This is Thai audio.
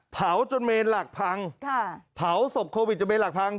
เผาจนเมนหลักพังเผาศพโควิดจนเมนหลักพัง